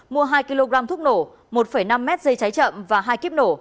mua hai kg thuốc nổ một năm mét dây cháy chậm và hai kíp nổ